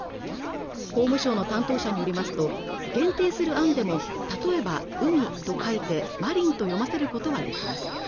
法務省の担当者によりますと限定する案でも例えば海と書いてまりんと読ませることはできます